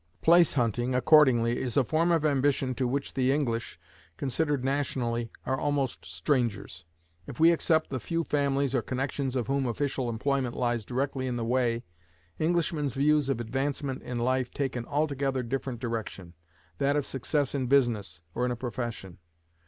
Place hunting, accordingly, is a form of ambition to which the English, considered nationally, are almost strangers. If we except the few families or connections of whom official employment lies directly in the way, Englishmen's views of advancement in life take an altogether different direction that of success in business or in a profession.